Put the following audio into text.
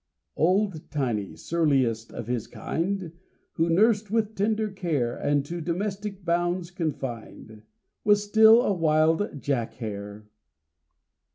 Old Tiney, surliest of his kind, Who, nursed with tender care, And to domestic bounds confined, Was still a wild Jack hare.